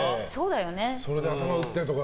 それで頭打ったりとか。